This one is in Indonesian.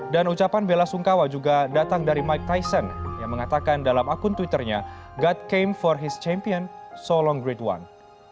dan ucapan bella sungkawa juga datang dari mike tyson yang mengatakan dalam akun twitternya god came for his champion so long great one